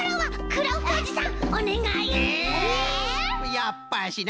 やっぱしな。